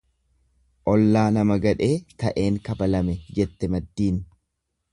Ollaa nama gadhee ta'een kabalame jette maddiin.